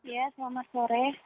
ya selamat sore